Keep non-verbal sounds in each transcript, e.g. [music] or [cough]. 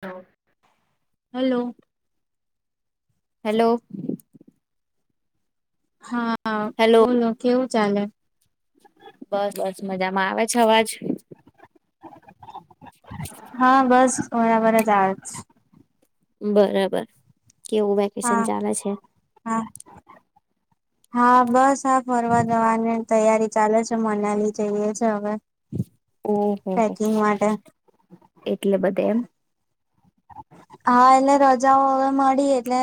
હા hello hello હા બોલો કેવું ચાલે બસ બસ મજામાં આવે છે અવાજ હા બસ બરાબર જ આ બરાબર કેવું હા વેકેશન ચાલે છે હા. હા બસ ફરવા જવાની તૈયારી ચાલે છે મનાલી જઈએ છે હવે ઓહોહ ટ્રેકિંગ માટે એટલે બધે એમ હા એટલે રજાઓ હવે મળી એટલે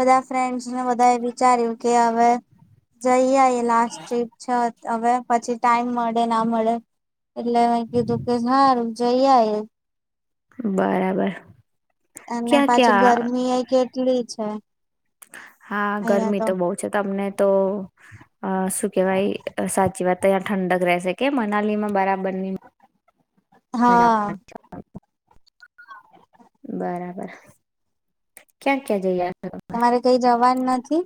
બધા ફ્રેન્ડસને બધા એ વિચાર્યું કે હવે જઈ લાસ્ટ ટ્રિપ છ હવે પછી ટાઈમ મળે ના મળે એટલે મેં કીધું કે સારું જઈ આ એ બરાબર અને ક્યાં પાછી ક્યાં ગરમી એ કે કળી છે હા ગરમી તો બઉ છે તમને તો શું કેવાય સાચી વાત તાય ઠંડક રહેશે કે મનાલી માં બરાબરની. મજા હા. બરાબર. ક્યાં ક્યાં જઈ તમારે કઈ જવાનું નથી?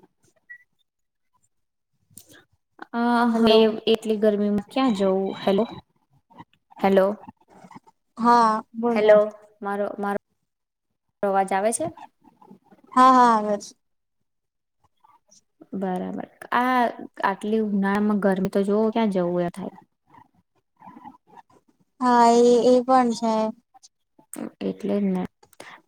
અ એ હલો. એટલી ગરમીમાં ક્યાં જવું હેલો હેલો. હા બોલો. માર અવાજ આવે છે? હા [inaudible] બરાબર આ આટલી ઉનાળામાં ગરમી તો જોવ ક્યાં જવું એ થાય. હા એ એ પણ છે. એટલે જ ને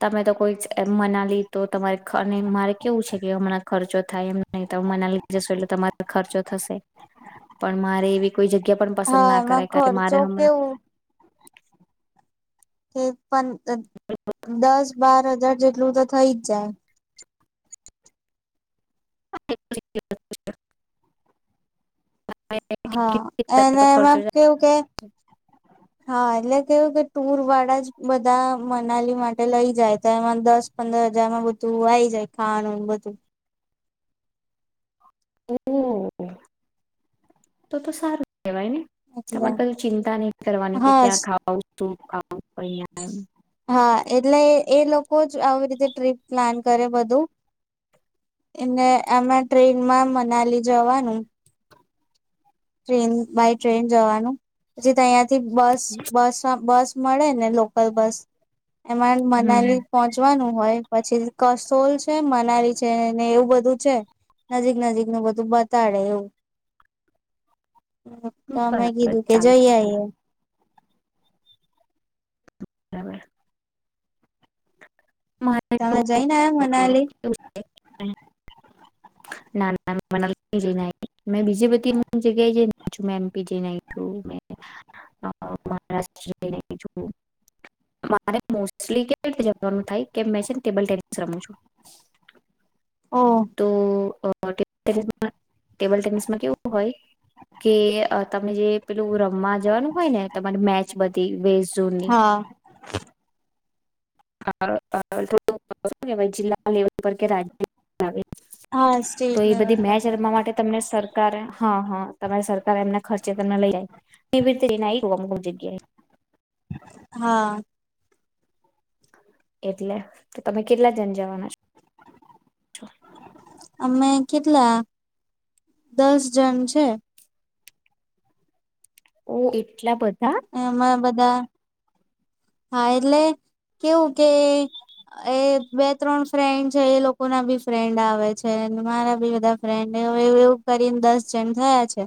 તમે તો કોઈ એ મનાલી તો તમારે મારે કેવું છે કે હમણાં ખર્ચો થાય એમ નહી. ત મના લઈ જશ એટલે તમારો ખર્ચો થશે પણ મારે એવી કોઈ જગ્યા પણ પસંદ હા ના એમાં કરાય કાર કે ખર્ચો મારે હમણાં. કેવું [inaudible] પન દસ બાર હજાર જેટલું તો થઇ જ જાય. [inaudible] હા અને ખર્ચો એમાં કેવું કે હા એટલે કેવું કે ટુર વાળા જ બધા મનાલી માટે લઈ જાય તો એમાં દસ પંદર હજારમાં બધું આવીઈ જાય ખાવાનું બધું. હમ્મ તો તો સારું. કેવાય ને એટલે તમારે કી ચિંતા નહ કરવાની કે હા ક્યાં ખાવા તું કામ કહી [unintelligible] હા એટલે એ લોકો જ આવી રીતે ટ્રીપ પ્લાન કરે બધું અને આમાં ટ્રેનમાં મનાલી જવાનું. ટ્રેન બાય ટ્રેન જવાનું પછી ત્યાં બસ બસ માં બસ મળે ને લોકલ બસ. એમાં હમ મનાલી પહોંચવાનું હોય. પછી કસોલ છે મનાલી છે ને એવું બધું છે નજીક નજીક નું બધું બતાડે એવું. તો અમે બરાબર કીધું કે ચાલે જઈએ ચાલે આએ. બરાબર. મારે તો તમે જઈને આવ મનાલી? ના ના બીજી [unintelligible] કે મેં છે ને ટેબલ તેનીસ રમુ છુ. ઓ. તો ટેબલ ટેનિસ ટેબલ ટેનિસમાં કેવું હોય કે તને જે પેલું રમવા જવાનું હોય ને તમારી મેચ બધી વઝ હા થો જિલ્લા લેવલ પર કે રાજ્ય હા તો સ્ટેટ એ લેવલ બધી મેચ પર રમવા માટે તમને સર સર હા હા તમારે સરકાર એમના ખર્ચે તો ન લઈ જાય કેવી રીતે એને અમકુક જગ્યાએ હા એટલે તો તમે કેટલા જણ જવાના છો અમે કેટલા દસ જન છે ઓ એટલા બધા એમાં બધા ા હા એટલે કેવું કે એ બે ત્રણ ફ્રેન્ડ છે એ લોકો ના બી ફ્રેન્ડ આવે છે મારા બી બધા ફ્રેન્ડવું એવું કરીને દસ થયા છે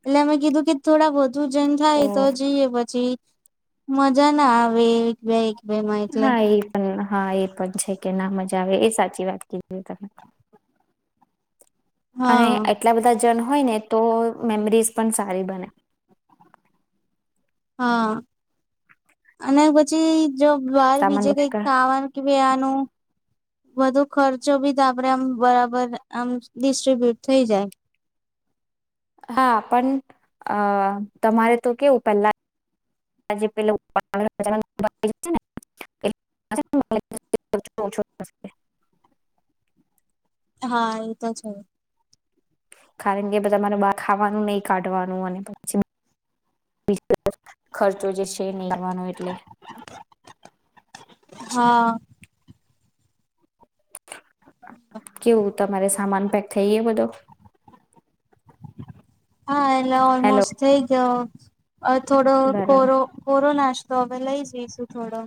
એટલે અમે કીધું કે થોડા બોુ સૂજન ઓ થાય તો જઈએ પછી મજા ના હ કે હા એ પણન હા એ પણ છે કે ના મજા આવે એ સાચી વાત કજ તમે અને હા એટલા બધા હોય ને તો મેમરીઝ પણ સારી બને હા અને પછી જો બાર સામાન બીજે કઈક બધા ખાવાનું કે વધુ ખર્ચો બી આપડે આમ બરાબર આમ ડિસ્ટ્રીબ્યુટ થઈ જાય હા પણ તમારે તો કેવું પેલા હા એ તો છે કારણ કે તમારે બ ખાવાનું નહીિ કાઢવાનું અને પછી ખર્ચો જે છે નહી કરવાનો એટલે હા કેવું તમારે સામાન પેક થઈ બધો હા એલા હેલો ઓલ્મોસ્ટ થઈ ગ હ અ થોડ બરાબર કોરો કોરોના તોવે લઈ જઈશું થોડો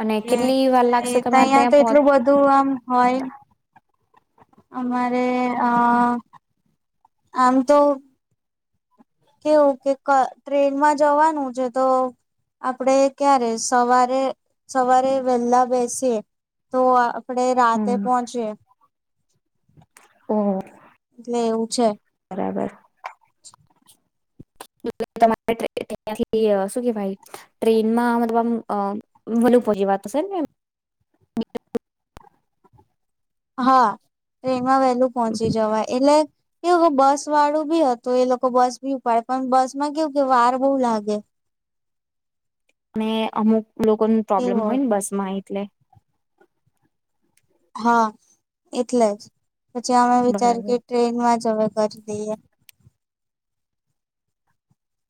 અને એ કેટલી વાર એ લાગશે ત તમારે અહં તો ત્યાં પહોંચ એટલું બધું આમ હોય અમારે અ આમ તો કેવું કે ટ્રેનમાં જવાનું છે તો આપડે ક્યારે સવારે સવારે વહેલા બેસીએ તો આપડે રાતે હમ પહોંચી ઓહ એટલે એવું છે બરાબર તમારે ત્યાંથી શું કેવાાઈ ટ્રેનમાં મતલબ આમ વલુપો જે વાત હશે ને? હા વહેલું પહોંચી જવાય એટલે એવું બસ વાળું બી હતું એ લોકો બસ ભી ઉપાડે પણ બસ માં કેવું કે વાર બહુ લાગે અને અમુક લોકોને પ્રોબ્લેમ એવું હોય ને હતું બસમાં એટલે હા એટલે જ. પછી અમે વિચાર્યું કે બરાબર ટ્રેનમાં જ હવે કરી દઈએ.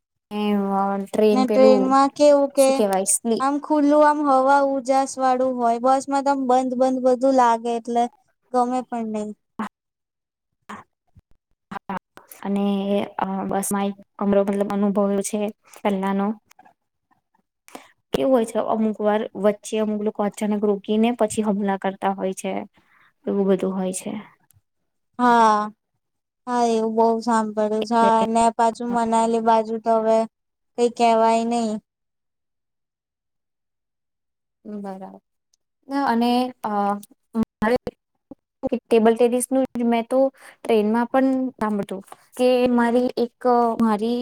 [unintelligible] પેલું ટ્રેનમાં કેવું કે શું કેવાય સ્લીપ આમ ખુલ્લું આમ હવા ઉજાસ વાળું હોય બસ મ બંધ બંધ બધું લાગે એટલે ગમે પણ નહી. હા અને બસ માં એક અમરો મતલબ અનુભવ એ છે પહેલાનો કેવું હોય છે અમુક વાર વચ્ચે અમુક લોકો અચાનક રોકીને પછી હમલા કરતા હોય છે એવું બધું હોય છે હા હા એવું બઉ સાંભળ્યું છે ને પાછું મનાલી બાજુ તો હવે કઈ કેહેવાય નહી બરાબર અને ટેબલ ટેનિસ ન મેં તો ટ્રેનમાં પણ સાંભતું કે મારી એક મારી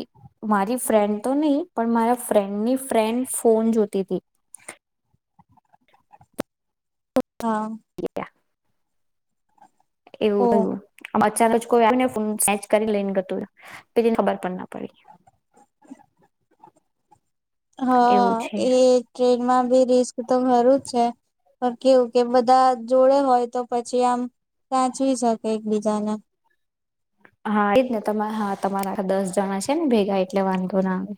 મારી ફ્રેન્ડ તો નહી પણ મારા ફ્રેન્ડની ફ્રેન્ડ ફોન જોતી હતી હા હતી એવું ઓ થયું આ ચાલો જ કોઈ આવીને ફોન સેન્ચ કરી લઈને ગતું પેલી ને ખબર પણ ના પડી. હા એવું છે એ ટ્રેનમાં ભી રિસ્ક તો ખરું જ છે પણ કેવું કે બધા જોડે હોય તો પછી આમ સાચવી શકે એકબીજાને. હા એ જ ને હા તમારા દસ જણા છે ને ભેગા એટલે વાંધો ના આવે.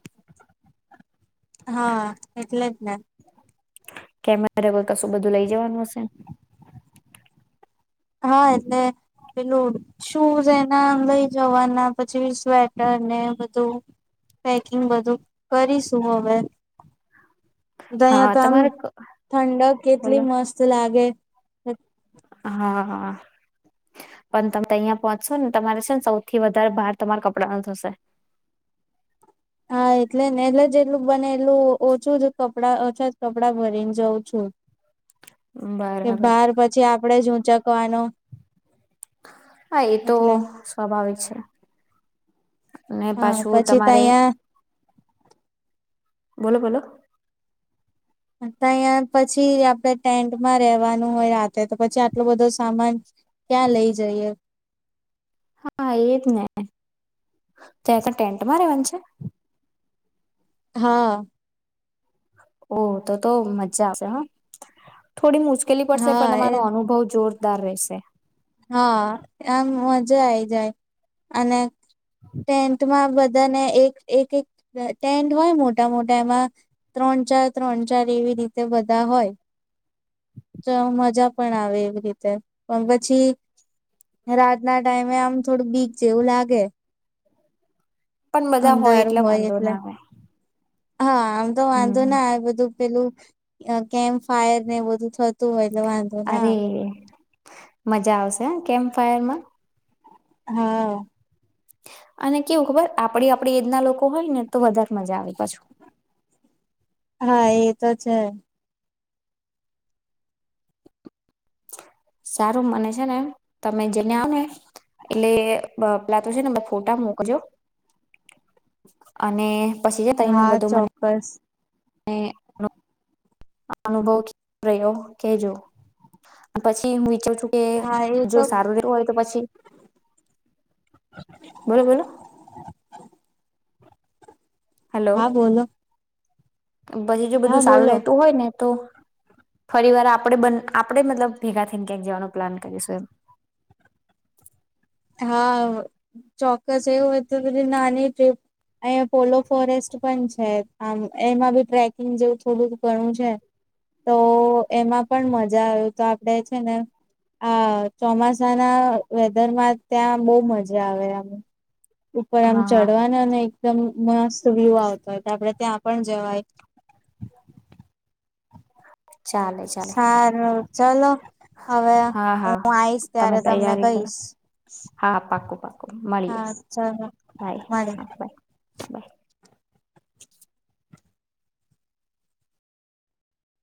હા એટલે જ ને. કેમેરે કોઈ કશું બધું લઇ જવાનું હશે? હા એટલે પેલું શૂઝ એના લઈ જવાના પછી સ્વેટર ને બધું પેકિંગ બધું કરીશું હવે. હા દયાતામ તમારે ઠંડક કેટલી બોલો મસ્ત લાગે. [unintelligible] હા પણ તમે તો અહિયાં પહોંચશો ને તમારે છે ને સૌથી વધારે ભાર તમારા કપડા ન થશે હા એટલે ને એટલે જ એટલું બને એટલું ઓછું જ કપડા ઓછા જ કપડા ભરીને જાઉ છું. કે બરાબર બાર પછી આપડે જ ઊંચકવાનો હા એ તો એટલે સ્વાભાવિક છે ને હા પાછું પછી તો તમારે અહિયા બોલો બોલો [unintelligible] પછી આપણે ટેન્ટમાં રેવાનું હોય રાતે તો પછી આટલું બધું સામાન ક્યાં લઈ જઈએ. હા એજ ને ત્યાં તો ટેન્ટમાં રેવાનું છે? હા ઓ, તો તો, મજા આવશે હા થોડી, મુશ્કેલી પડશે હા પણ એ તમારો અનુભવ જોર દાર રહેશે હા, આમ મજા આઈ જાય અને ટેન્થમાં બધા ધને એક એક એક ટેન્ટ હોય મોટા મોટા એમાં ત્રણ ચાર ત્રણ ચાર એવી રીતે બધા હોય તો મજા પણ આવે એવી રીતે પણ પછી રાતના ટાઈમે આમ થોડું, બીક જેવું લાગે પણ બધા હોય એટલે વાંધો ના આવે હા આમ તો વાંધો હમ ના આ બધું પેલું કેમ્ ફાયર ને બધું થતું હોય એટલે વાંધો ના અરે આવે મજા આવશે. કેમ્પ ફાયર માં હા અને કેવું, ખબર આપડી આપડી એજ ના લોકો હોય ને તો વધારે મજા આવે પાછુ હા, એ તો છે સારું, મને છે ને, એ તમે જેને આવ ને એટલે પેલા તો છે. ને બ ફોટા મોકજો. અને પછી જ તઈનું હા બધું ચોક્કસ મને હ અનુભવ રહ્યો કેજો, પછી, હું વિચ કે હા એ જો તો સારવ દન હોય તો પછી બોલો બોલો હા બોલો બછી, જો હા બધું સારું બોલો રતું હોય ને તો ફરી વાર આપ, આપણેે મતલબ ભેગા થઈને ક્યાંક જવાનો પ્લાન કરીશું એમ. હા, ચોક્કસ એવું હોય તો બધ નાની ટ્રીપ અહી પોલો ફોરેસ્ટ પણ છે આમ, એમાં બી ટ્રેકિંગ જેવું. થોડુંક ઘણું છે. તો એમાં પણ મજા આવ તો, આપણેે છે. ને આ ચોમાસાના વેધરમાં ત્યાં બહુ મજા આવે એમ. ઉપર, આમ હા હા ચડવા અને એકદમ મસ્ત વ્યુ આવતો તો એ તો આપડે ત્યાં પણ જવાય ચાલે ચાલે સાર ચાલો હા, હા તમે ત્યારે તમને તૈયારી કરો કહીશ હા પાકોું પાકોું મળીએ હા ચલો બાય મળે હાય હા, બાય